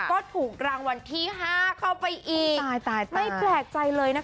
ก็ถูกรางวัลที่ห้าเข้าไปอีกตายตายไม่แปลกใจเลยนะคะ